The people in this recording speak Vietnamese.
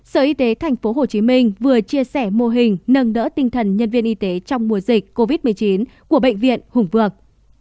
sở y tế tp hcm vừa chia sẻ mô hình nâng đỡ tinh thần nhân viên y tế trong mùa dịch covid một mươi chín của bệnh viện hùng vương